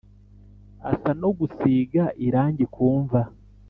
Asa no gusiga irangi ku mva